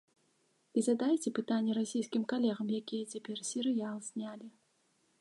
І задайце пытанне расійскім калегам, якія цяпер серыял знялі.